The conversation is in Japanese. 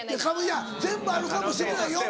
いや全部あるかもしれないよ。